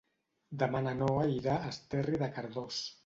Demà na Noa irà a Esterri de Cardós.